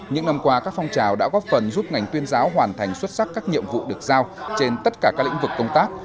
những năm qua các phong trào đã góp phần giúp ngành tuyên giáo hoàn thành xuất sắc các nhiệm vụ được giao trên tất cả các lĩnh vực công tác